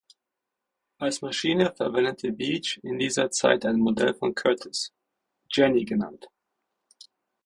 Als Maschine verwendete Beech in dieser Zeit ein Modell von Curtiss, "Jennie" genannt.